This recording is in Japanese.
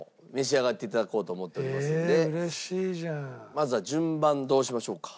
まずは順番どうしましょうか？